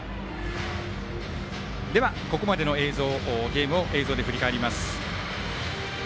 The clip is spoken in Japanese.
では、ここまでのゲームを映像で振り返ります。